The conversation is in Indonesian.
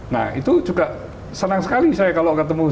nah itu juga senang sekali saya kalau ketemu